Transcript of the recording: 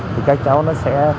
thì các cháu nó sẽ